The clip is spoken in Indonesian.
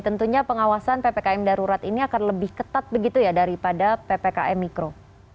tentunya pengawasan ppkm darurat ini akan lebih ketat begitu ya daripada ppkm mikro